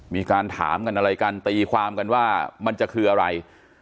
มีการถามกันอะไรกันตีความกันว่ามันจะคืออะไร